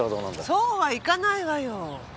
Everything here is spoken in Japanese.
そうはいかないわよ。